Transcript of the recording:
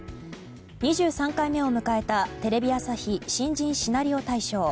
２３回目を迎えたテレビ朝日新人シナリオ大賞。